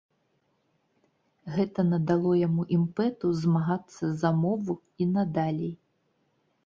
Гэта надало яму імпэту змагацца за мову і надалей.